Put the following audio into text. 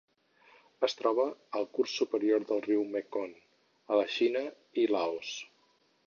Es troba al curs superior del riu Mekong a la Xina i Laos.